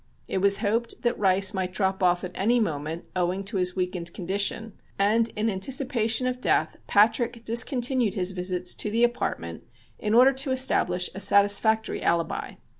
It was hoped that Rice might drop off at any moment, owing to his weakened condition, and in anticipation of death Patrick discontinued his visits to the apartment in order to establish a satisfactory alibi.